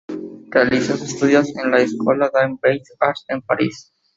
Realizó estudios en la École des Beaux-Arts, en París.